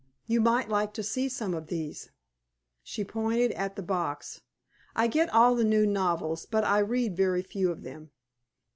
You might like to see some of these." She pointed at the box. "I get all the new novels, but I read very few of them."